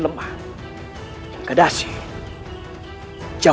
keturunan yang diperlukan adalah